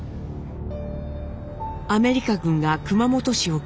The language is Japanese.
アメリカ軍が熊本市を空襲。